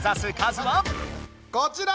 こちら！